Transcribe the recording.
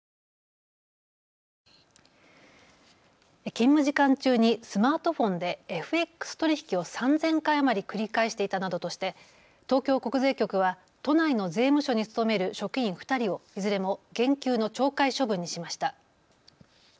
勤務時間中にスマートフォンでＦＸ取引を３０００回余り繰り返していたなどとして東京国税局は都内の税務署に勤める職員２人をいずれも減給の懲戒処分にしました。